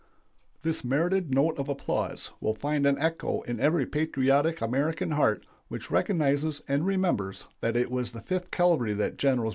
This merited note of applause will find an echo in every patriotic American heart which recognizes and remembers that it was in the Fifth Cavalry that Gens.